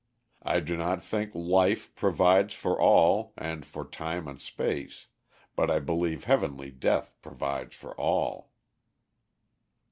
I do not think Life provides for all, and for Time and Space, but I believe Heavenly Death provides for all."